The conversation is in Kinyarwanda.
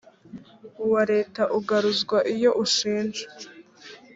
uwa leta ugaruzwa iyo ushinjwa